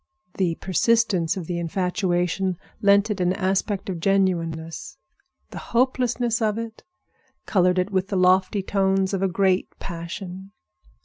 The persistence of the infatuation lent it an aspect of genuineness. The hopelessness of it colored it with the lofty tones of a great passion.